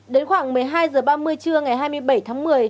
đến khoảng một mươi hai h ba mươi trưa ngày hai mươi bảy tháng một mươi